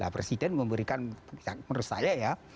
presiden memberikan menurut saya ya